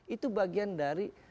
itu bagian dari